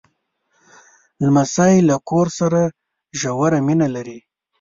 لمسی له کور سره ژوره مینه لري.